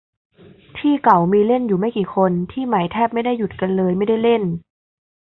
ที่เก่ามีเล่นอยู่ไม่กี่คน ที่ใหม่แทบไม่ได้หยุดกันเลยไม่ได้เล่น